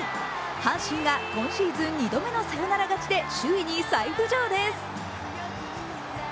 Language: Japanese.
阪神が今シーズン２度目のサヨナラ勝ちで首位に再浮上です。